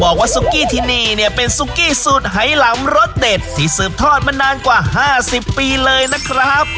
บอกว่าสุ๊กกี้ที่นี่นี่เป็นสุ๊กกี้สูตรไหล่ลำรสเด็ดที่สืบทอดมานานกว่า๕๐ภาพปีเลยนะครับ